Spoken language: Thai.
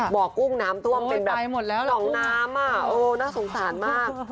กุ้งน้ำท่วมเป็นแบบหนองน้ำน่าสงสารมาก